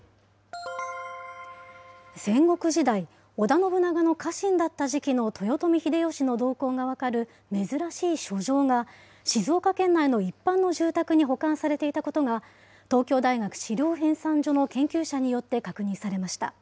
戦国時代、織田信長の家臣だった時期の豊臣秀吉の動向が分かる珍しい書状が静岡県内の一般の住宅に保管されていたことが、東京大学史料編纂所の研究者によって確認されました。